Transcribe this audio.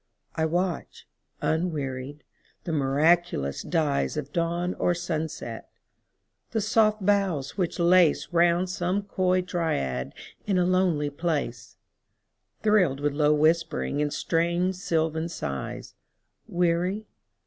I watch, unwearied, the miraculous dyesOf dawn or sunset; the soft boughs which laceRound some coy dryad in a lonely place, Thrilled with low whispering and strange sylvan sighs:Weary?